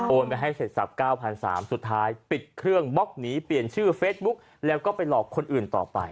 ไปให้เสร็จสับ๙๓๐๐สุดท้ายปิดเครื่องบล็อกหนีเปลี่ยนชื่อเฟซบุ๊กแล้วก็ไปหลอกคนอื่นต่อไป